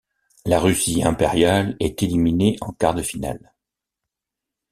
La Russie impériale est éliminée en quarts-de-finale.